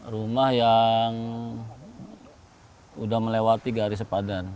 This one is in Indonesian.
rumah yang sudah melewati garis sepadan